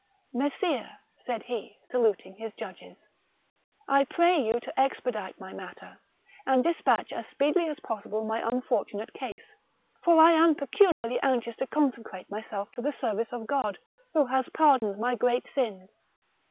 " Messires," said he, saluting his judges, " I pray you to expedite my matter, and despatch as speedily as possible my unfortunate case; for I am peculiarly anxious to consecrate myself to the service of God, who has pardoned my great sins.